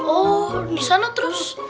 oh disana terus